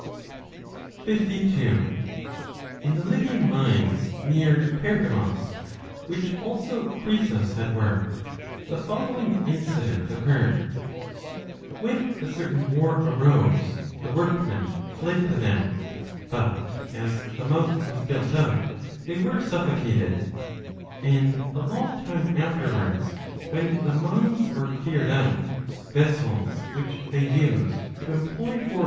52 In the Lydian mines near Pergamos, which also Croesus had worked, the following incident occurred. When a certain war arose the workmen fled to them ; but, as the 25 mouth was built up, they were suffocated ; and a long time afterwards, when the mines were cleared out, vessels, which they used to employ for daily uses, such as jars 1 Eeckm.